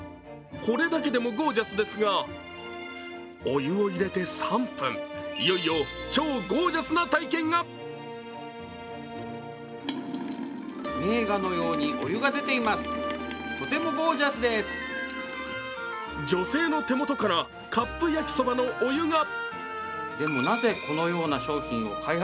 これだけでもゴージャスですがお湯を入れて３分、いよいよ超ゴージャスな体験が女性の手元からカップ焼きそばのお湯が。